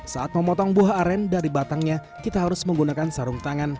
saat memotong buah aren dari batangnya kita harus menggunakan sarung tangan